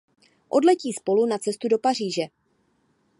Odletí spolu na cestu do Paříže.